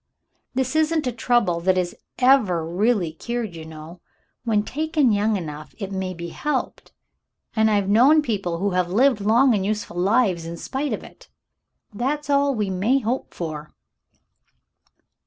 "This isn't a trouble that is ever really cured, you know. When taken young enough, it may be helped, and I've known people who have lived long and useful lives in spite of it. That's all we may hope for."